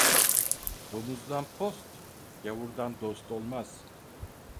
Domuzdan post gâvurdan dost olmaz.